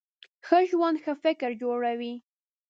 ښه ژوند ښه فکر جوړوي.